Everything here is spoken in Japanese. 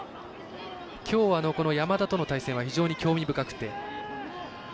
きょうは山田との対戦は非常に興味深くて。